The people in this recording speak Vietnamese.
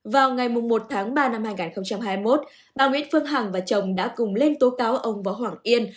vào ngày một tháng ba năm hai nghìn hai mươi một bà nguyễn phương hằng và chồng đã cùng lên tố cáo ông võ hoàng yên